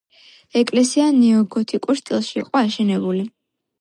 ეკლესია ნეოგოთიკურ სტილში იყო აშენებული.